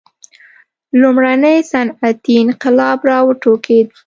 لومړنی صنعتي انقلاب را وټوکېد.